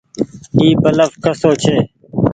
اي بلڦ ڪسو ڇي۔